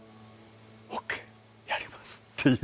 「ＯＫやります」っていう。